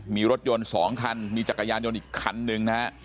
มีรถยนต์๒คันมีจักรยานยนต์อีกคันหนึ่งนะฮะ